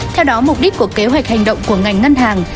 theo đó mục đích của kế hoạch hành động của ngành ngân hàng